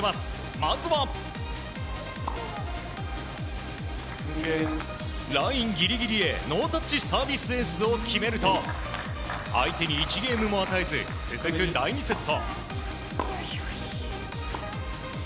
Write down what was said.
まずはラインギリギリへノータッチサービスエースを決めると相手に１ゲームも与えず続く第２セット。